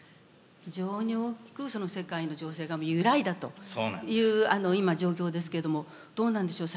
非常に大きく世界の情勢が揺らいだという今状況ですけれどもどうなんでしょう